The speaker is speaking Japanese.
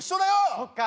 そっか。